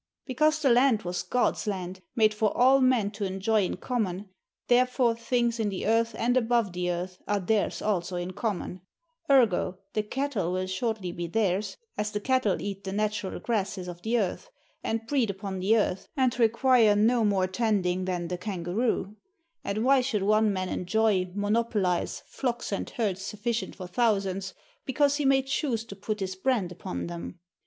Because the land was God's land, made for all men to enjoy in common, therefore things in the earth and above the earth are theirs also in common ergo, the cattle will shortly be theirs, as the cattle eat the natural grasses of the earth, and breed upon the earth, and require no more tending than the kangaroo, and why should one man enjoy, monopolize, flocks and herds sufficient for thousands, because he may choose to put his brand upon them.